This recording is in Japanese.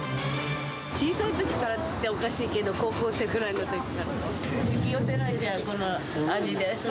小さいときからっちゃおかしいけど、高校生ぐらいのときから、引き寄せられちゃう、この味で。